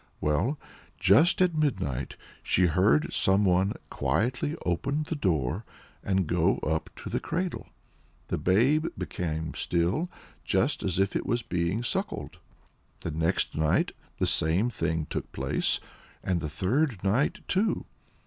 Well, just at midnight she heard some one quietly open the door and go up to the cradle. The babe became still, just as if it was being suckled. The next night the same thing took place, and the third night, too.